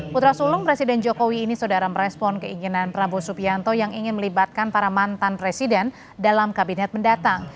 putra sulung presiden jokowi ini saudara merespon keinginan prabowo subianto yang ingin melibatkan para mantan presiden dalam kabinet mendatang